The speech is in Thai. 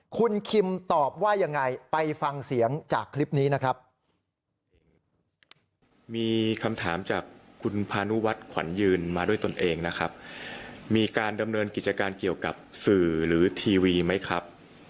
คุณคิมตอบว่ายังไงไปฟังเสียงจากคลิปนี้นะครับ